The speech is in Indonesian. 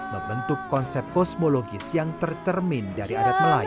membentuk konsep kosmologis yang tercermin dari adat melayu